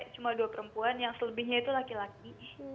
cuma dua perempuan yang selebihnya itu laki laki